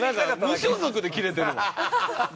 無所属でキレてるもん。